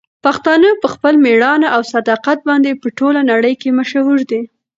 پښتانه په خپل مېړانه او صداقت باندې په ټوله نړۍ کې مشهور دي.